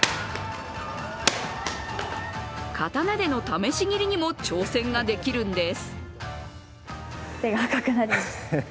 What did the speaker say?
刀での試し斬りにも挑戦ができるんです。